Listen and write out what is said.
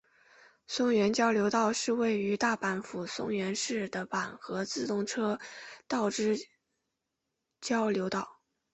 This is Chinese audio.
松原交流道是位于大阪府松原市的阪和自动车道之交流道。